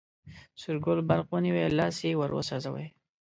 سور ګل برق ونیوی، لاس یې وروسوځوی.